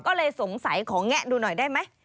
ก็เลยสงสัยขอแงะดูหน่อยได้ไหม